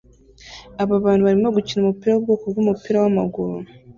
Aba bantu barimo gukina umukino wubwoko bwumupira wamaguru